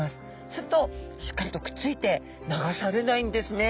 するとしっかりとくっついて流されないんですね。